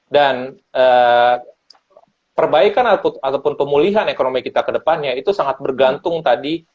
dan perbaikan ataupun pemulihan ekonomi kita ke depannya itu sangat bergantung tadi